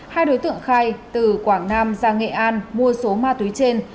hai đối tượng khai từ quảng nam ra nghệ an mua số ma túy trên